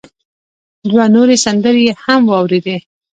دوه نورې سندرې يې هم واورېدې.